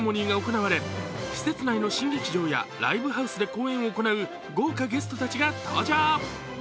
その開業前日セレモニーが行われ、施設内の新劇場やライブハウスで公演を行う豪華ゲストたちが登場。